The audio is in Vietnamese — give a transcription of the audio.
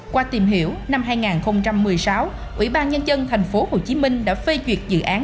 qua tìm hiểu năm hai nghìn một mươi sáu ủy ban nhân dân thành phố hồ chí minh đã phê duyệt dự án